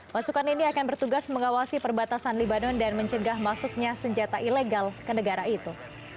pasukan ini akan bertugas mengawasi perbatasan libanon dan mencegah masuknya senjata ilegal ke negara itu